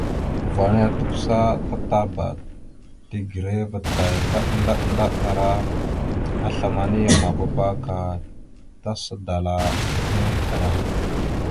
Uvah nehe tukəsa tatapa tigəreva taya ndaɗ ndaɗ ara aslam ana yam mabaɗaba ka tasa dala enne kaɗa.